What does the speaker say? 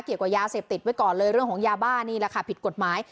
เกี่ยวกับยาเสพติดไว้ก่อนเลยเรื่องของยาบ้านี่แหละค่ะผิดกฎหมาย